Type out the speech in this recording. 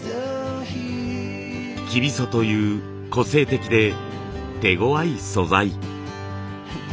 生皮苧という個性的で手ごわい素材。